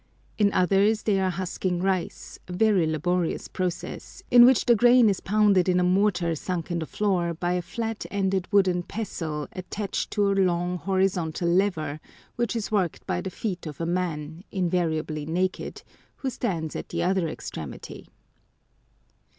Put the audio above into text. In others they are husking rice, a very laborious process, in which the grain is pounded in a mortar sunk in the floor by a flat ended wooden pestle attached to a long horizontal lever, which is worked by the feet of a man, invariably naked, who stands at the other extremity.